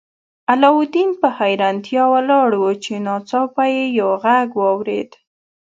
علاوالدین په حیرانتیا ولاړ و چې ناڅاپه یې یو غږ واورید.